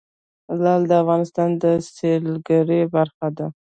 لعل د افغانستان د سیلګرۍ برخه ده.